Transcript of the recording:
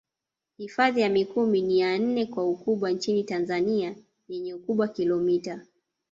Hifadhi ya Mikumi ni ya nne kwa ukubwa nchini Tanzania yenye ukubwa kilomita